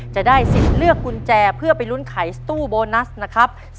จะได้สิทธิ์เลือกกุญแจเพื่อไปลุ้นไขสตู้โบนัสนะครับ